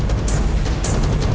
bahasa ini udah selesai